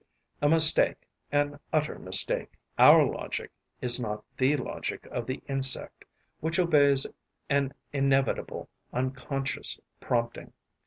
A mistake, an utter mistake: our logic is not the logic of the insect, which obeys an inevitable, unconscious prompting.